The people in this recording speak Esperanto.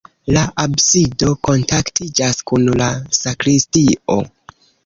La absido kontaktiĝas kun la sakristio.